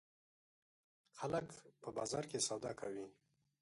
خلک په بازار کې سودا کوي.